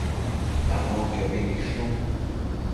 Canonquiobi nidshun